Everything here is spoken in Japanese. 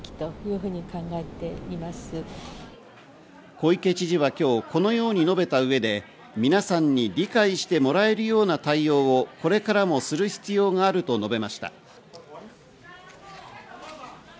小池知事は今日このように述べた上で、皆さんに理解してもらえるような対応をこれからもする必要があると述べました。